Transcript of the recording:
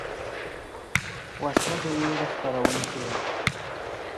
وسله د ویرې خپرونکې ده